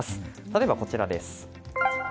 例えばこちらです。